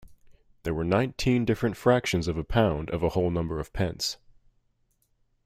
There were nineteen different fractions of a pound of a whole number of pence.